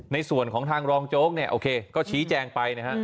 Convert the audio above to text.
ในส่วนของทางรองโจ๊กเนี่ยโอเคก็ชี้แจงไปนะฮะ